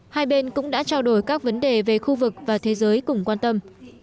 hai bên cũng đã trao đổi các vấn đề về khu vực và thế giới cùng quan tâm